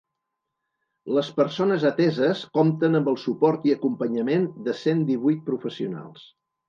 Les persones ateses compten amb el suport i acompanyament de cent divuit professionals.